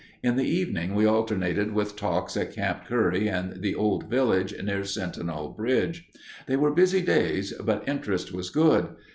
In the evening we alternated with talks at Camp Curry and the "Old Village" near Sentinel Bridge. They were busy days but interest was good.